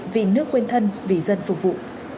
vì nước quên thân vì dân phục vụ